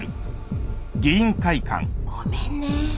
ごめんね。